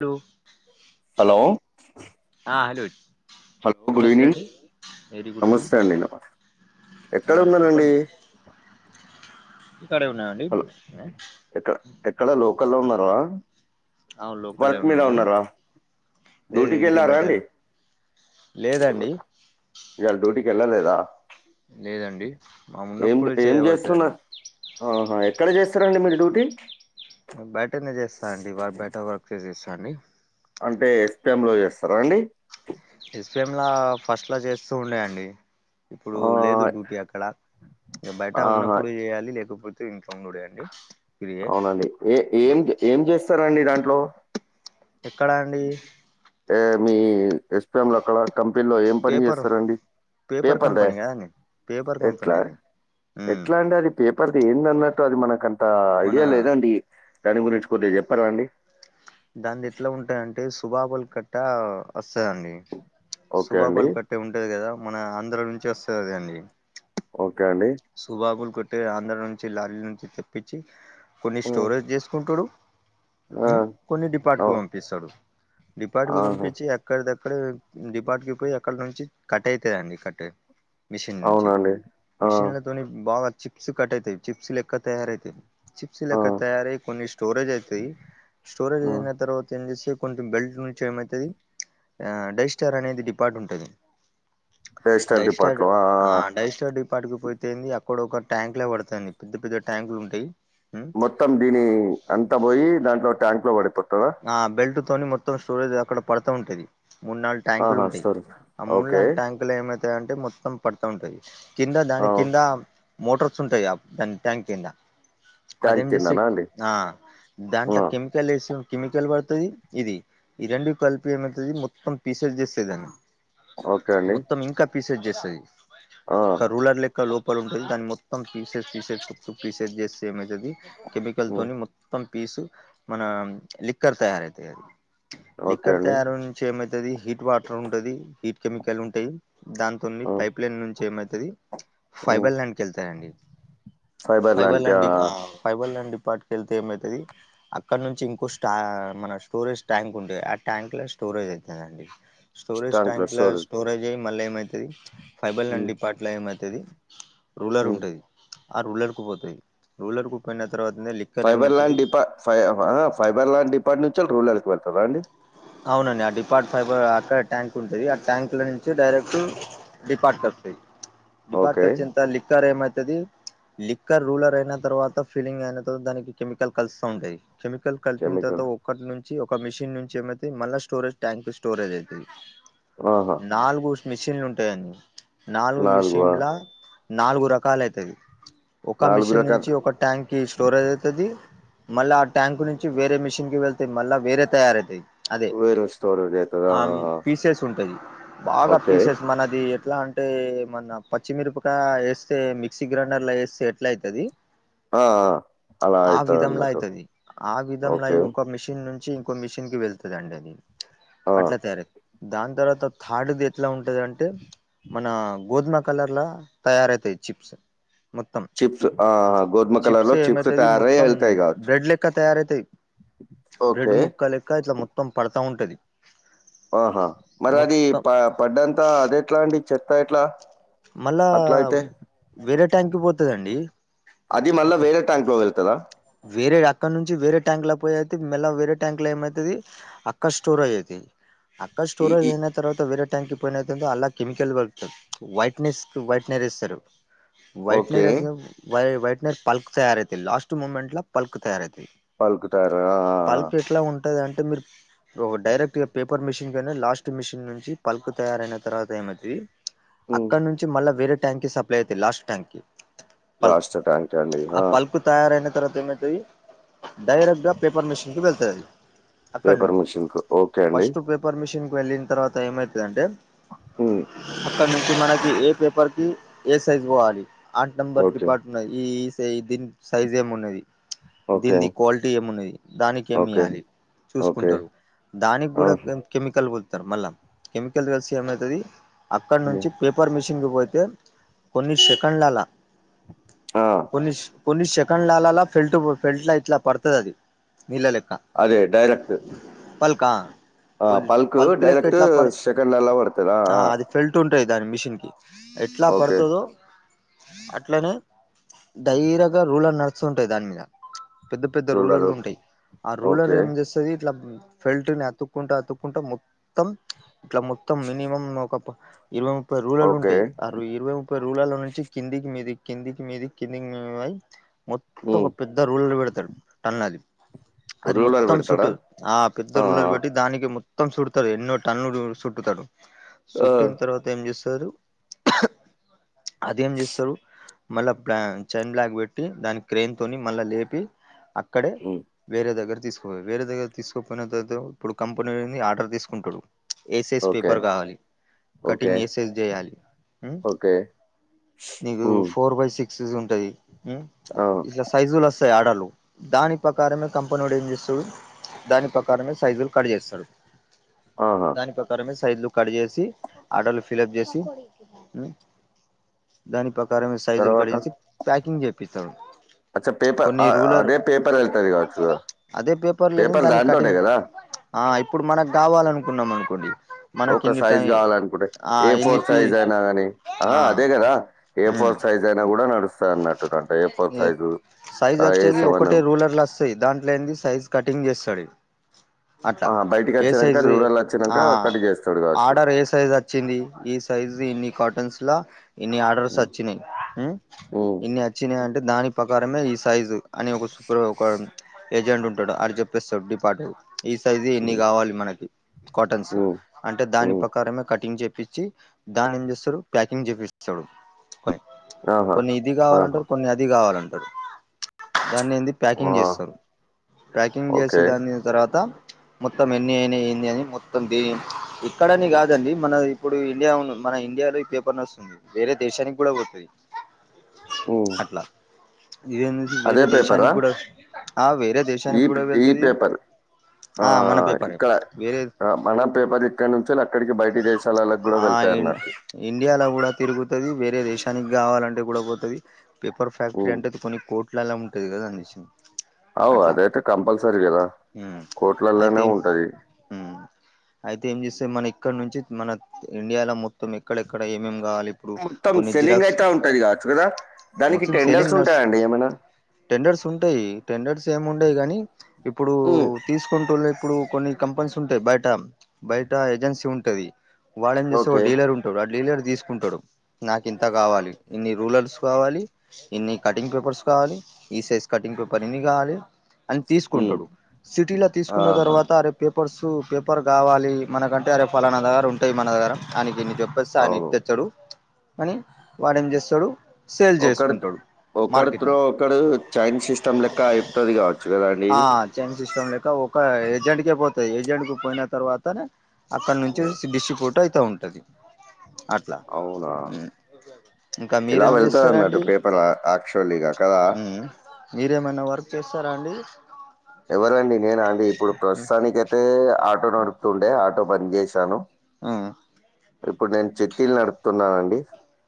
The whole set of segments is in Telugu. లో హలో ఆ హలో హలో గుడ్ నమస్తే ఈవినింగ్ అండి వెరీ గుడ్ నమస్తే ఈవినింగ్ అండి నమస్త ఆ ఎక్కడ ఉన్నరండి చెప్పండి ఇక్కడే ఉన్నా అండి హలో ఎక్కడ ఎక్కడ లోకల్లో ఉన్నార అవును లోకల్లో వర్క్ మీద ఉన్నాండి ఉన్నారా లేదు డ్యూటీకి ఇంటికి వెళ్ళారా బయట అండి లేదండి ఇయల్ డ్యూటీ కి వెళ్లలెదా లేదండి మామున్నప్పుడు ఏం చేయబడతదండి చేస్తున్నారు ఆహా ఎక్కడ చేస్తారండి మీరు డ్యూటీ బయటనే చేస్తా అండి వర్క్ బయట వర్క్ చేసి ఇస్తా అండి అంటే ఎస్పిఎం లో చేస్తారా అండి ఎస్పిఎంలా ఫస్ట్ లా చేస్తూ ఉండే అండి ఇప్పుడు ఆ, లేదు డ్యూటీ అక్కడ బయట ఆహా ఉన్నప్పుడు చేయాలి లేకపోతే తే ఇంట్ల ఉండుడే అండి ఫ్రీయే అవునండి ఏ ఏం ఏం చేస్తారండి దాంట్లో ఎక్కడా అండి ఏ మీ ఎస్పిఎం లో ఎక్కడ కంపెనీలో ఏం పని పేపర్ చేస్తారండి పేపర్ లె కంపెనీ కదండి పేపర్ కంపెనీ ఎట్లా అది ఉమ్ ఎట్లా అండి అది పేపర్ది ఏందన్నట్టు అది మనక అంత మన ఐడియా లేదండి దాని గురించి కొద్దిగా చెప్పరాండి దానిది ఎట్లా ఉంటదంటే శుభాబులు కట్ట వస్తుందండి ఓకే అండి. శుభాబులు కట్ టే ఉంటది కదా మన ఆంధ్ర నుంచి వస్తుంది అది అండీ ఓకే అండి సుబాబులు కొట్టే ఆంధ్ర నుంచి లారి నుంచి తెప్పించి కొన్ని హ్మ్. స్టోరేజ్ చేసుకుంటాడు ఆ! కొన్ని డిపార్ట్ కూ అవు పంపిస్తాడు డిపార్ట్ కు ఆహా! పంపిచి అక్క ఎక్కడి దక్కడే డిపాటికి పోయి అక్కడ నుంచి, కట్ అయితయండి కటే అవునా అండి ఆ తోని బాగా చిప్స్ కట్టాయితయ్, చిప్స్ లెక్క తయారవుతాయ్. చిప్స్ ఆ! లెక్క తయారయ్ కొన్ని స్టోరేజ్ అయితాయ్, స్టోరేజ్ ఆ! అయిన తర్వాత ఏం జేసాయ్, కొంచెం బెల్ట్ నుంచి ఏమైతది, ఆ డైస్టార్ అనేది డిపార్ట్ ఉంటది. డైస్టాడ్ ఆ డైస్టాడిప్ పాటికి పోతేంది, అక్కడ ఒక ట్యాంక్ లో వడతంది. పెద్ద పెద్ద ట్యాంకులు ఉంటాయ్. మొత్తం దీని అంతా బోయి దాంట్లో ట్యాంక్ లో పడిపోతదా. ఆ బెల్ట్ తోని మొత్తం స్టోరేజ్ అక్కడ పడుతా ఉంటది మూడ్ నాల్ ట్యాంకులు ఆహా! ఉంటాయ్. సరే. ఆ ఓకే. మూలాన్ ట్యాంక్ లేమేతమై అంటే మొత్తం పడుతా ఉంటాయ్ కింద ఆ! దాని కిందా. మోటార్స్ ఉంటాయాప్ దాన్ ట్యాంక్ కింద. ట్యాంక్ అదేం కిందనా జేసిక్ అండి? ఆ దాంట్లో ఆ! కెమికల్ ఏసో కెమికల్ వడుతది. ఇది ఈ రెండు కలిపి ఏమైతది, మొత్తం పీసేట్ జేస్తదన్న. ఓకే అండి. మొత్తం ఇంకా పీసెజ్ జేసాయ్ ఆ! క రూలర్ లెక్ క్క లోపల ఉంటది దాన్ని మొత్తం తీసేసి తీసే ప్రీసేజ్ చేస్తే ఏమయితది. గెబికల్ హ్మ్. తోని మొత్తం పీసు మన లిక్కర్ తయారైతయి అవి. ఓకే లిక్కర్ అండి. తయారు నుంచి ఏమైతది హీట్ వాటర్ ఉంటది, హీట్ కెమికల్ ఉంటది. దాన్ కొన్ని ఆ! పైప్ లైన్ నుంచి ఏమైతది. హ్మ్. ఫైబల్ ల్యాండ్కి ఏళ్తాయండి. ఫైబర్ ఫైబల్ లాంటిదా? ల్యాండ్ డీప్ ఆ పైబల్ ల్యాండ్ డిపార్ట్ కేళ్తే ఏమైతది. అక్కడ నుంచి ఇంకోచ్ టా మన స్టోరేజ్ ట్యాంక్ ఉంటే ఆ ట్యాంక్లా స్టోరేజ్ అయితదండి. స్టోరేజ్ ట్యాంక్లా స్టోరేజ్ అయ్ మళ్ళా ఏమైతది. ఫైబర్ ల్యాండ్ హ్మ్. డిపార్ట్లా ఏమైతది. రూలర్ హ్మ్. ఉంటంది. ఆ రూలర్ కు పోతయ్ రూలర్ కు పోయిన తర్వాతనే ఫైబర్ లండ్ డిపా ఫైబర్ లండ్ డిపార్ట్ నుంచి రూల్ర్లకి వెళ్తాదా అండి. అవునండి ఆ డిపార్ట్ ఫైబర్ అక్కడ ట్యాంక్ ఉంటది ఆ ట్యాంక్ల నుంచి డైరెటు డిపార్ట్ కొత్తయ్, డిపార్ట్ ఓకే కొచ్చిన్ తల్ లిక్కర్ ఏమైతది. లిక్కర్ రూలర్ అయిన తర్వాత, ఫీలింగ్ అయిన తర్వాత దానికి కెమికల్ కలుస్త ఉంటయ్, కెమికల్ కలిపిన తర్వాత కెమికల్ ఒకటి నుంచి ఒక మిషిన్ నుంచి ఏమైతై మళ్ళా స్టోరేజ్ ట్యాంక్ స్టోరేజ్ అయితాయ్. ఆహా నాలుగు మిషన్లు ఉంటాయన్ నాలుగు విషిన్లా. నాలుగు రకాల అయితది, ఒక నాలుగు మిషన్ రకాల నుంచి ఒక ట్యాంకి స్టోరేజ్ అయితది. మళ్ళా ఆ ట్యాంకు నుంచి వేరే మిషన్కి వెళ్తాయ్, మళ్ళా వేరే తయారైతాయ్. అదే వేరే స్టోరేజ్ అవుతుందా ఆమ్ పీసెస్ ఉంటది. బాగా ఓకే పీసెస్ మనది ఎట్లా అంటే మన పచ్చిమిరపకాయ ఏస్తే మిక్సీ గ్రైండర్లా ఏస్తే ఎట్లా అయితది. ఆ, ఆ, అలా ఆ అవుతుంది విధంలా అన్నట్టు అయితది. ఆ విధంలో ఓకే అయి ఒక మిషిన్ నుంచి ఓ మిషన్ కి వెళ్తుదండి అది అట్లా తయారయ్ దాన్ తర్వాత తార్దుది ఎట్లా ఉంటది అంటే మన గోధుమ కలర్లా తయారైతాయ్ చిప్స్ మొత్తం చిప్స్ గోధుమ కలర్ చిప్స్ లో ఏమితది తయారై మొత్తం వెళ్తాయి కావచ్చు బ్లడ్ లేక్క తయారైతాయ్. బ్రెడ్ ఓకే ముక్క లెక్క ఇట్లా మొత్తం పడతా ఉంటది. ఆహా మరి అది మొత్తం ప పడ్డంతా అది ఎట్లా అండి చెత్తా ఎట్లా మళ్ళా అట్లా అయితే వేరే ట్యాంక్ పోతదండి. అది మళ్ళా వేరే ట్యాంక్ లో వెళ్తదా. వేరేడ్ అక్కడ నుంచి వేరే ట్యాంక్ లో పోయ్, అయితే మెల్లగా వేరే ట్యాంక్ లో ఏమైతది. అక్కడ్ స్టోరేజ్ అయితాయ్, అక్కడ్ ఈ స్టోరేజ్ ఈ- ఎందట్ తర్వాత వేరే ట్యాంక్ పోయినతో అలా కెమికల్ కలుపుతారు వైట్నెస్. వైట్నెస్ ఇస్తారు. ఓకే వైట్నేర్ వైట్నేర్ పల్ప్ తయారు అవుతాది. Last moment. పల్ప్ తయారవుతుంది పలుకుతారు ఆ, ఆ, ఆ. పల్ప్ ఎట్లా ఉంటుంది అంటే మీరు ఓ డైరెక్ట్ గా పేపర్ మిషన్ కయినా లాస్ట్ మిషన్ నుంచి పల్ప్ తయారన తర్వాత ఏమైంది. ఉమ్. అక్కడ నుంచి మళ్ళా వేరే ట్యాంక్ కు సప్లై అవుతాయి లాస్ట్ ట్యాంక్ కి. పల్క్ లాస్ట్ ట్యాంకా అండి ఆ తయారైన తర్వాత ఏమైతాయి? డైరెక్ట్ గా పేపర్ మెషన్కి వెళ్తాది. అక్కడ పేపర్ నుంచి మిషన్ కు ఓకే అండి ఫస్ట్ పేపర్ మిషన్ కు వెళ్ళిన తర్వాత ఏమైతుందింటే. ఉమ్, అక్కడ నుంచి మన ఏ పేపర్కి ఏ సైజ్ పోవాలి. ఆ నెంబర్ ఓకే డిపార్ట్ అయి దీని సైజ్ ఏమి ఉన్నది? ఓకే దింది క్వాలిటీ ఏమున్నది దానికి ఏమి ఓకే ఇయ్యాలి ఓకే చూసుకుంటారు. దానికి ఆ, కూడా కెమికల్ కలుప్తారు మళ్ళా. కెమికల్ కలిసి ఏమైతుంది అక్కడ నుంచి హ్మ్. పేపరు పేపర్ మిషన్కి పోతే కొన్ని సెకెన్లుండాల ఆ, కొన్ని సెకండ్లలో ఫెల్ట్ లా ఇట్లా పడతాదాది నీళ్ళ లెక్క అదే డైరెక్ట్ పల్కా ఆ కొన్ని పల్ప్ పల్క్ లెక్క డైరక్ట్ సెకండ్లలో పడుతాది. బెల్ట్ ఉంటాయి దాని మిషన్కి ఎట్లా ఓకే పడుతాదో. అట్లనే ధైర్యంగా రూలార్ నడుస్తుంటాయి. దాని మీద పెద్ద పెద్ద రూలర్ రూలర్లు ఉంటాయి ఆ రూలర్ ఓకే ఏం చేస్తాది ఇట్లా ఫిల్టర్ని అతుక్కుంటూ అతుక్కుంటా మొత్తం ఇట్లా మొత్తం మినిమం ఒక ఇరవై, ముప్పై రూరలు ఓకే ఉంటాయి. ఇరవై, ముప్పై రురల నుంచి కిందికి మీదికి కిందికి మీదికి మొత్తము ఉమ్, ఒక పెద్ద రూలర్ పెడతారు. టన్ అది. అది రూలర్ మొత్తం పెడతాడా చుట్టూ ఆ పెద్ద రూలర్ పెడతారు. దానికి మొత్తం చుడతారు. ఎన్నో టన్నులు చుట్టుతారు. ఆ, చుట్టిన తర్వాత ఏం చేస్తారు? అదేం చేస్తారు మళ్ళా చైన్ బ్లాక్ పెట్టి దానికి క్రెయిన్ తోని మళ్ళా లేపి అక్కడే ఉమ్, వేరే దగ్గర తీసుకుంటారు. వేరే దగ్గర తీసుకపోయిన తరువాత ఇప్పుడు కంపెనీ నే ఆర్డర్ తీసుకుంటాడు. ఏ సైజ్ ఓకే పేపర్ కావాలి ఓకే కటింగ్ ఏ సైజ్ చేయాలి. ఓకే నీకు ఫోర్ బై సిక్స్ ఉంటాది. అవు సైజులు వస్తాయి. ఆడలు దాని ప్రకారమే కంపెనీడు ఏం చేస్తాడు దాని ప్రకారమే సైజులు కట్ చేస్తాడు. ఆహా! దాని ప్రకారమే సైజ్లు కట్ చేసి ఆర్డర్లు ఫిలఫ్ చేసి దాని ప్రకారంమే సైజులు తర్వాత కట్టేజేసి ప్యాకింగ్ చేపిస్తాడు. అచ్చా పేపర్ కొన్ని ఆహ్, రూలర్ అదే పేపర్ వెళ్తుంది కావచ్చు కదా! అదే పేపర్ లేద దానికి దాంతోటే కటింగ్ కదా ఆ ఇప్పుడు మనకు కావాలనుకున్నాం అనుకోండి మనకి ఒక ఇన్ని టై సైజ్ కావాల అనుకుంటే ఆ ఏ ఇన్ని ఫోర్ పీ సైజ్ అయినా కానీ ఆ ఆఅదే కదా ఏ ఉమ్ ఫోర్ సైజ్ ఏదైనా కూడా నడుస్తాది అన్నట్టుగా ఏ సైజ్ వచ్చేది సెవెన్ ఒకటే రూలర్లు వస్తాయి. దాంట్లో ఏ సైజ్ కటింగ్ చేస్తాడు. అట్టా, బయటికి ఏ వచ్చినాక సైజు రూరల్ వచ్చినాక ఆ కట్ చేస్తాడు కావచ్చు ఆర్డర్ ఏ సైజ్ వచ్చింది. ఈ సైజు ఇన్ని కాటన్స్ లా ఇన్ని ఆర్డర్స్ వచ్చినాయి. ఓ ఇన్ని వచ్చినాయి అంటే, దాని ప్రకారమే ఈ సైజు అని ఒక సూపర్ ఒక ఏజెంట్ ఉంటాడు ఆడు చెప్పేస్తాడు డ్డిపాట ఏ సైజు ఎన్ని ఉమ్, కావాలి మనకి కాటన్స్ ఉమ్, అంటే దాని ఉమ్. ప్రకారమే కటింగ్ చేపించి దాని ఏం చేస్తారు ప్యాకింగ్ చేపిస్తాడు ఆహా కొన్ని ఇది ఆహా కావాలంటారు కొన్ని అది కావాలంటారు దాన్ని ఏంది ఆ, ప్యాకింగ్ చేస్తారు ప్యాకింగ్ చేసి ఓకే దాన్ని తర్వాత మొత్తం ఎన్ని అయినాయి ఏంది అని మొత్తం దీని ఇక్కడని కాదండి మన ఇప్పుడు ఇండియా మన ఇండియాలో ఈ పేపర్ వస్తుంది వేరే దేశానికి కూడా పోతది హ్మ్ అట్లా ఇదే వేరే పేపరా దేశానికి కూడా ఆ వేరే ఈ దేశానికి కూడా ఈ వెళ్తది పేపర్ ఆ మన పేపరే ఇక్కడ వేరే మన పేపర్ ఇక్కడ నుంచెలి అక్కడికి బయట దేశ లలోకి కూడా ఆ వెళ్తాయి అన్నట్టు ఇండియాలో కూడా తిరుగుతది వేరే దేశానికి కావాలంటే కూడా పోతది పేపర్ ఫ్యాక్టరీ ఉమ్. అంటే అది కొన్ని కోట్లలో ఉంటది కదా అనిపిచింది అవు అదైతే కంపల్సరీ కదా ఉమ్ అయితే కోట్లలోనే ఉంటది ఉమ్ అయితే ఏం చేస్తయ్ మన ఇక్కడ నుంచి మన ఇండియాలో మొత్తం ఎక్కడెక్కడ ఏమేం కావాలి ఇప్పుడు మొత్తం కొన్ని సెల్లింగ్ జిరాక్స్ అయితా ఉంటది కావచ్చు కదా దానికి మొత్తం టెండర్స్ సెల్లింగ్ నర్స్ ఉంటాయండి ఏమైనా టెండర్స్ ఉంటాయి టెండర్స్ ఏమి ఉండాయి గాని ఇప్పుడు హ్మ్. తీసుకుంటూ ఇప్పుడు కొన్ని కంపెనీస్ ఉంటాయి బయట బయట ఏజెన్సీ ఉంటది వాళ్ళేంచేస్తరు ఓకే. డీలర్ ఉంటా ఆ డీలర్ తీసుకుంటాడు నాకు ఇంత కావాలి ఇన్ని రూరల్స్ కావాలి ఇన్ని కటింగ్ పేపర్స్ కావాలి ఈ సైజ్ కటింగ్ పేపర్ ఇన్ని కావాలి అని హ్మ్. తీసుకుంటడు సిటీలో తీసుకున్న ఆహా! తర్వాత రేపు పేపర్సు పేపర్ కావాలి మనకంటే అరే ఫలానా దగ్గర ఉంటాయి మన దగ్గర గానికి ఇన్ని పేపర్ పర్స్ అని అవును. తెస్తడు కానీ వాడేం చేస్తడూ ఒకడి ఒకడిత్రో ఒకడు చైన్ సిస్టమ్ లెక్క అయిపోతది కావచ్చు కదా అండి ఇది చెయిన్ సిస్టమ్ లెక్క ఒక ఏజెంట్ కే పోతాయ్ ఏజెంట్ కి పోయిన తర్వాత తనే అక్కడ నుంచి హ్మ్. డిస్ట్రిబ్యూట్ అయితా ఉంటది అ అవునా ఇంకా ఇలా మీరేం వెళ్తది అన్నట్టు చేస్తారండి పేపర్ యాక్చువలీగా కదా మ్ మీరేమైనా వర్క్ చేస్తారా అండి ఎవరండి నేనా అండి ఇప్పుడు ప్రస్తుతానికి అయితే ఆటో నడుపుతుండే ఆటో బంద్ చేశాను హ్మ్ ఇప్పుడు నేను చిట్టీలు నడుపుతున్నానండి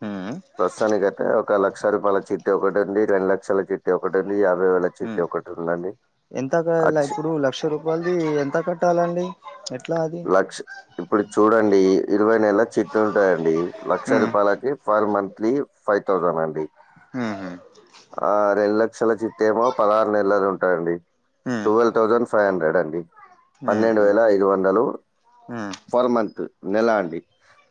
మ్ ప్రస్తుతానికి అయితే ఒక లక్ష రూపాయల చిట్టి ఒకటి అండి రెండు లక్షల చిట్టి ఒకటి అండి యాభై వేల చిట్టి మ్ ఒకటి ఉందండి ఎంత కాల అచ్చి ఇప్పుడు లక్ష రూ పాల్ది ఎంత కట్టాలండి ఎట్లా అది లక్ష ఇప్పుడు చూడండి ఇరవై నెలల చిట్టి ఉంటాదండి లక్ష మ్ రూపాయలకి పర్ మంత్లీ ఫైవ్ థౌజండ్ అండి మ్మ్ హూ ఆ రెండు లక్షల చిట్టేమో పదహారు నెలలు ఉంటాదండి మ్ ట్వుల్వ్ థౌజండ్ ఫైవ్ హండ్రెడ్ అండి పన్నెండు మ్హు వేల ఐదు వందలు మ్ ఫర్ మంత్ నెలా అండి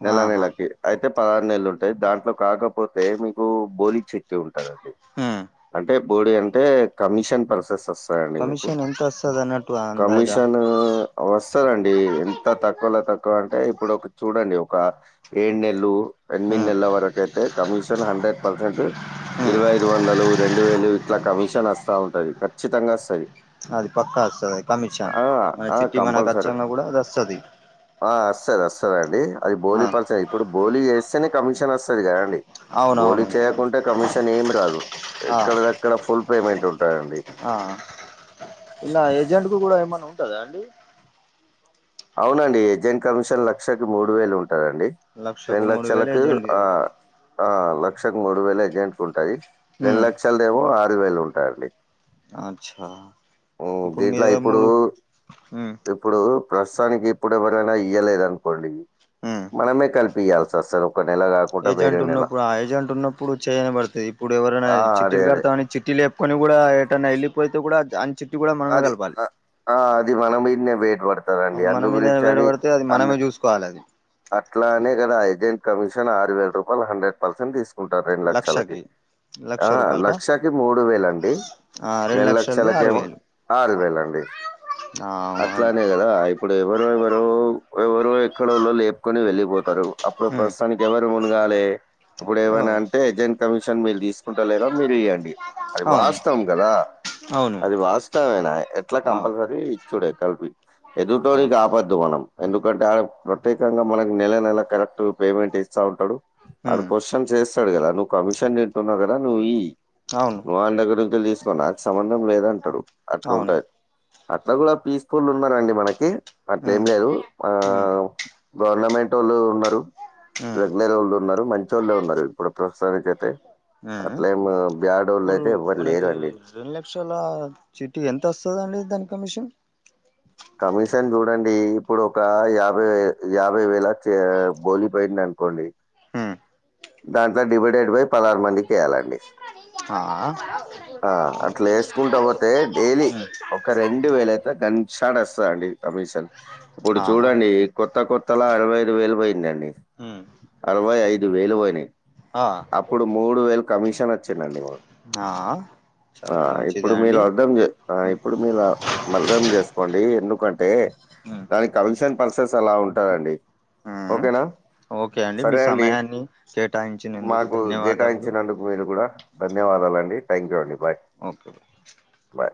నెల ఆహా నెలకి అయితే పదహారు నెలలు ఉంటాయి దాంట్లో కాకపోతే మీకు బోలి చిట్టి ఉంటదండి మ్ అంటే బోర్డీ అంటే కమిషన్ ప్రాసెస్ అస్తు ఉంటాయ్ అండి మీకు కమిషన్ ఎంత వస్తది అన్నట్టు అందాజా కమిషను అవస్ ఇచ్చారండి ఎంత తక్కువలో తక్కువ అంటే ఇప్పుడు ఒకటీ చూడండి ఒక ఏడు నెలు ఎనిమిది మ్ నెల్ల వరకైతే కమిషన్ హండ్రెడ్ పర్సెంట్ మ్ ఇరవై ఐదు వందలు రెండు వేలు ఇట్లా కమిషన్ వస్తా ఉంటది ఖచ్చితంగా వస్తది అది పక్కా వస్తది కమిషన్ ఆ! మన ఆ! చిట్టి మనకు వ కంపల్సరీ. ఆ వస్తది వస్తదండి అది ఆ బోనీ ప త్తాయి ఇప్పుడు బోలీ చేస్తేనే కమిషన్ వస్తది కదండి బోలి అవునవును చేయకుంటే కమిషన్ ఏమి రాదు ఆ ఎక్కడ ద ఇక్కడ ఫుల్ పేమెంట్ ఉంటాదండి ఇప్పుడు కూడా ఏమన్నా ఉంటదా అండి అవునండి ఏజెంట్ కమిషన్ లక్షకి మూడు వేలు ఉంటదండి లక్షకు రెండు మూడు వేలు లక్షలకు ఏజెంట్ ది ఆ ఉంటాయి ఆ లక్షకు మూడు వేలు ఏజెంట్ కు ఉంటాయి రెండు ఉమ్ లక్షలదేమో ఆరు వేలు ఉంటాయండి అచ్చా ఉమ్, ఇప్పుడు దీంట్లో మీద ఇప్పుడు మూడు ఉ ఇప్పుడు ప్రస్తుతానికి ఇప్పుడు ఎవరైనా ఇయలేదునుకోండి ఉమ్ మనమే కలిపి ఇయాల్సీ వస్తది ఒక నెల కా ఏజెంట్ ఉన్నప్పుడు ఆ ఏజెంట్ ఉన్నప్పుడు చేయని పడుతుంది ఇప్పుడు ఎవరైనా ఆ, అదే చిట్టిలు అదే కడతాని చిట్టి లేపుకొని కూడా ఏటైన్నా వెళ్ళిపోయితే కూడా దా అది ఆ అది మనం మిదనే వేట్ పడత కదండి అది మన అందు మీద గురించి అని వేడబడితే అది అన్న మనమే చూసుకోవాలి అది అట్లానే కదా ఏజెంట్ కమిషన్ ఆరు వేల రూపాయలు హండ్రెడ్ పర్సెంట్ తీస్ కుంటారు రెండు లక్షలకి లక్షకి లక్ష ఆ రూపాయలకా లక్షకి మూడు వేలు అండి ఆ రెండు లక్షలది ఆరు లక్షలకేమో వేలు ఆరువేలు అండి అవును అట్లానే అ ఇప్పుడు ఎవరు అవును ఎవరు ఎవరు ఎక్కడల్లొ లేపుకొని వెళ్ళిపోతారు అప్పుడు ఉమ్ ప్రస్తుతానికి ఎవరు మునుగాలే ఇప్పుడు ఓ ఏమైనా అంటే ఏజెంట్ కమిషన్ మీరు తీసుకుంటలేరా మీరు ఇయ్యాండి అది అవును వాస్తావం కదా అవును అది వాస్త ఇచ్చామేనాయా ఎట్లా ఆ కంపల్సరీ ఇచ్చుడే కలిపి ఆ ఎదుటోనికి ఆపద్దు మనం ఎందుకంటే ఆ ప్రత్యేకంగా మనకు నెల నెల కరెక్ట్ పేమెంట్ ఇస్తా ఉంటాడు ఆడు ఉమ్ క్వశ్చన్ చేస్తాడు కదా నువ్వు కమిషన్ తింటున్నావు కదా నువ్వు ఈ అవును వాని దగ్గర నుంచి తీసుకో నాకు సంబంధం లేదు అంటాడు అట్లా అవును ఉంటది అట్లా కూడా పీస్ఫుల్ ఉన్నారండి మనకి అట్లేం ఉమ్ లేదు ఆ ఉమ్ గవర్నమెంట్ వాళ్ళు ఉన్నారు ఉమ్ రెగ్యులర్ వాళ్ళు ఉన్నారు మంచి వోళ్ళే ఉన్నారు ఇప్పుడు ప్రస్తుతానికి అయితే ఉమ్ అట్లే ఏం బ్యాడొల్లు ఇప్పుడు అయితే ఎవ్వరూ మనకి లేరండి రెండు లక్షల చీటీ ఎంత వస్తది అండి దాని కమిషన్ కమిషన్ చూడండి ఇప్పుడు ఒక యాభైే యాభై వేల బోలిపోయింది అనుకోండి హు దాంట్లో డివైడెడ్ బై పదహారు మందికి వేయాలండి ఆ ఆ అట్లా వేసుకుంటా పోతే డైలీ ఉమ్ ఒక రెండు వేల అయితే గన్ షాట్ వస్తద అండి కమిషన్ ఇప్పుడు ఆ చూడండి కొత్త కొత్తలా అరవై ఐదు వేలు పోయిందండి ఉమ్ అరవై ఐదు వేలు పోయి ఆ అప్పుడు మూడు వేలు కమిషన్ వచ్చిందండి మాకు ఆ ఆ చాలా మంచిదే ఇప్పుడు మీరు అండి అర్ధం చే ఆ ఉమ్ ఇప్పుడు మీరు మల్లం చేసుకోండి ఎందుకంటే ఉమ్ దానికి కమిషన్ పర్సెస్ అలా ఉంటారండి ఉ ఓకే అండి మీ సమయాన్ని కేటాయించినందుకు మాకు ధన్యవాదములు కేటాయించినందుకు మీరు కూడా ధన్యవాదాలు అండి థ్యాంక్ యూ అండి బాయ్ ఓకే బై